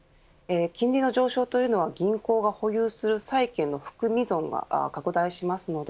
金利の上昇というのは銀行が保有する債券の含み損が拡大しますので